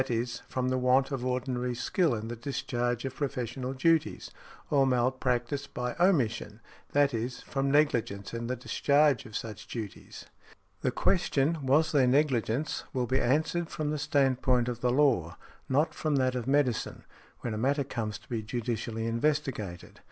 e._, from the want of ordinary skill in the discharge of professional duties; or malpractice by omission, i. e., from negligence in the discharge of such duties. The question, "Was there negligence?" will be answered from the stand point of the law, not from that of medicine, when a matter comes to be judicially investigated.